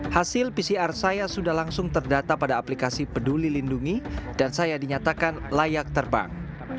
hasil pcr saya sudah langsung terdata pada aplikasi peduli lindungi dan saya dinyatakan layak terbang